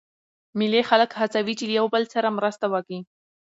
مېلې خلک هڅوي، چي له یو بل سره مرسته وکي.